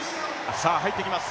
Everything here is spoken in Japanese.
さあ、入ってきます。